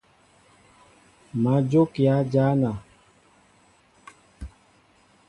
Má jókíá jăna.